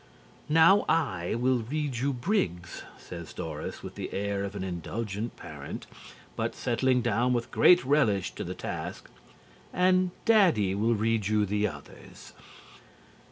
"Now I will read you Briggs," says Doris with the air of an indulgent parent, but settling down with great relish to the task, "and Daddy will read you the others."